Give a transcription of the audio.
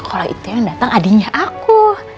kalau itu yang dateng adinya aku